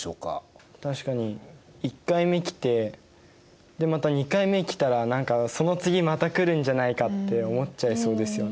確かに１回目来てまた２回目来たら何かその次また来るんじゃないかって思っちゃいそうですよね。